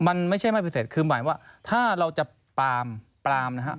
มันไม่ใช่ไม่ปฏิเสธคือหมายว่าถ้าเราจะปรามปรามนะฮะ